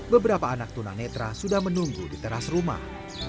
beberapa anak tuna netra sudah menunggu di teras rumah